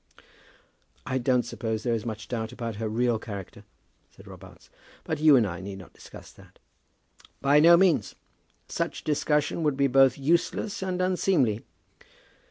"I don't suppose that there is much doubt about her real character," said Robarts. "But you and I need not discuss that." "By no means. Such discussion would be both useless and unseemly."